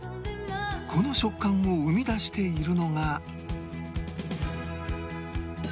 この食感を生み出しているのが